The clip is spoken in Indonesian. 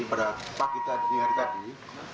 pada pagi hari tadi